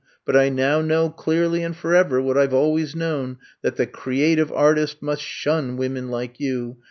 But I now know clearly and forever what I Ve always known — that the creative artist must shun women like you.